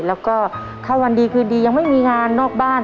แล้วก็ถ้าวันดีคืนดียังไม่มีงานนอกบ้าน